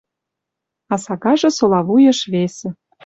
А сагажы сола вуйыш весӹ